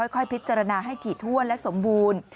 ค่อยพิจารณาให้ถี่ถ้วนและสมบูรณ์